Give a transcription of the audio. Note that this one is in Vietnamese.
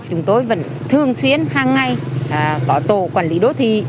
chúng tôi vẫn thường xuyên hàng ngày có tổ quản lý đô thị